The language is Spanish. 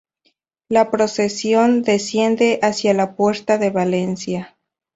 La procesión desciende hacia la Puerta de Valencia.